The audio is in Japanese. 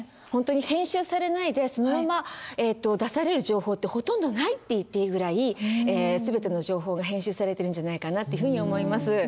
本当に編集されないでそのまま出される情報ってほとんどないって言っていいぐらい全ての情報が編集されてるんじゃないかなっていうふうに思います。